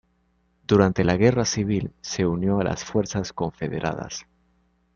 Durante la Guerra Civil, se unió a las fuerzas confederadas.